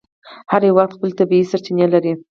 هر هېواد خپلې طبیعي سرچینې لري.